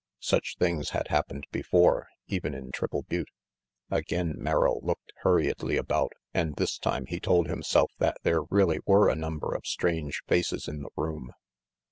Such things had happened before, even in Triple Butte. Again Merrill looked hurriedly about and this time he told himself that there really were a number of strange faces in the room.